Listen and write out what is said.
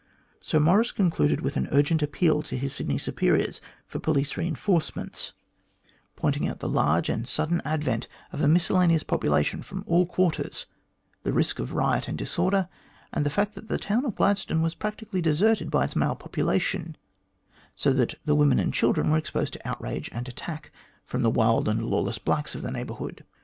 Sir Maurice concluded with an urgent appeal to his Sydney superiors for police reinforcements, pointing out the large and sudden THE GREAT GOLD HUSH 10'5 advent of a miscellaneous population from all quarters, tlicj risk of riot and disorder, and the fact that the town of Glad stone was practically deserted by its male population, so that the women and children were exposed to outrage and attack .from the wild and lawless blacks of the neighbourhood.